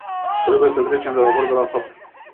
Trebuie să trecem de la vorbe la fapte.